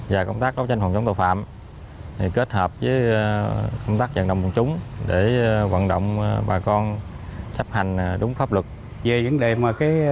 và công tác đấu tranh phòng chống tội phạm